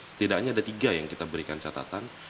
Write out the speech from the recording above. setidaknya ada tiga yang kita berikan catatan